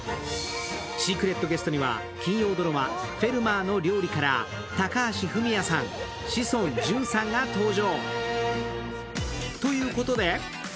シークレットゲストには金曜ドラマ「フェルマーの料理」から高橋文哉さん、志尊淳さんが登場。